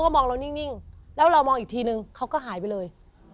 มองเรานิ่งแล้วเรามองอีกทีนึงเขาก็หายไปเลย